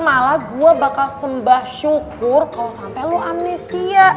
malah gue bakal sembah syukur kalau sampe lo amnesia